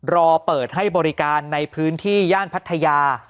รอเปิดให้บริการในพื้นที่ย่านพัทยา